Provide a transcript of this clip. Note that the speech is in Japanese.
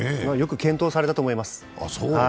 よく健闘されたと思います。